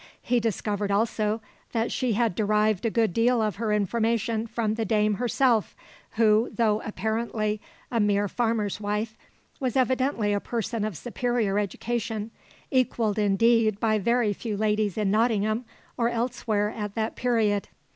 He discovered also that she had derived a good deal of her information from the dame herself, who, though apparently a mere farmer's wife, was evidently a person of superior education, equalled, indeed, by very few ladies in Nottingham or elsewhere at that period.